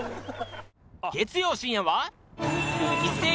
月曜深夜は